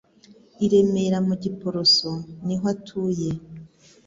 i remera mu Giporoso niho atuye